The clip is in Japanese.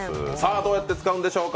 どうやって使うんでしょうか？